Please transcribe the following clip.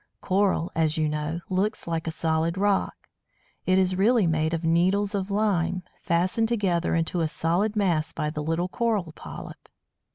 Coral, as you know, looks like a solid rock; it is really made of needles of lime, fastened together into a solid mass by the little Coral Polyp.